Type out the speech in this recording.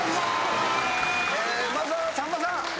まずはさんまさん。